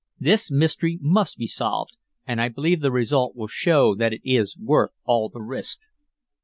This mystery must be solved, and I believe the result will show that it is worth all the risk."